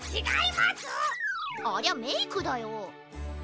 ありゃメイクだよ。